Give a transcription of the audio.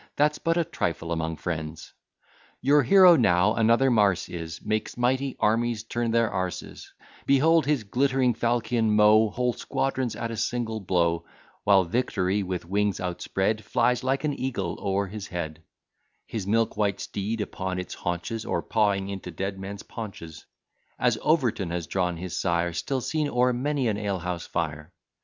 That's but a trifle among friends. Your hero now another Mars is, Makes mighty armies turn their a s: Behold his glittering falchion mow Whole squadrons at a single blow; While Victory, with wings outspread, Flies, like an eagle, o'er his head; His milk white steed upon its haunches, Or pawing into dead men's paunches; As Overton has drawn his sire, Still seen o'er many an alehouse fire.